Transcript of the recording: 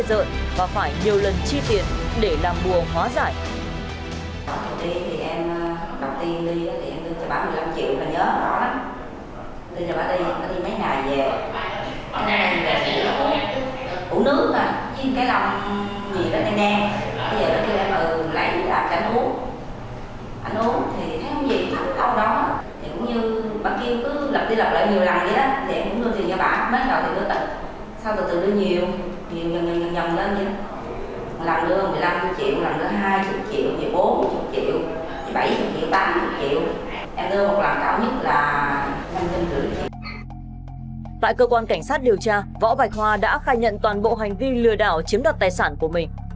tại cơ quan cảnh sát điều tra võ bạch hoa đã khai nhận toàn bộ hành vi lừa đảo chiếm đặt tài sản của mình